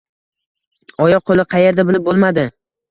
Oyoq-qo‘li qaerda, bilib bo‘lmadi.